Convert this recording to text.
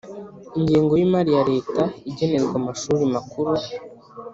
ingengo y'imari ya leta igenerwa amashuri makuru